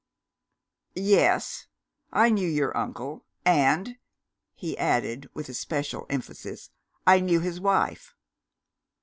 "Yes; I knew your uncle; and," he added with especial emphasis, "I knew his wife."